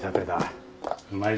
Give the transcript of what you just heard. うまいぞ。